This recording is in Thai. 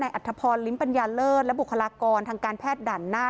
อัธพรลิ้มปัญญาเลิศและบุคลากรทางการแพทย์ด่านหน้า